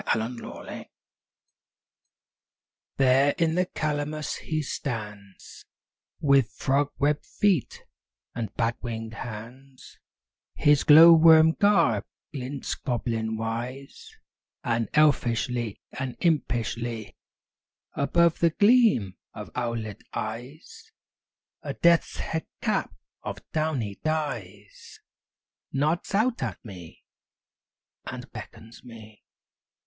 WILL O' THE WISP I There in the calamus he stands With frog webbed feet and bat winged hands; His glow worm garb glints goblin wise; And elfishly, and impishly, Above the gleam of owlet eyes, A death's head cap of downy dyes Nods out at me, and beckons me.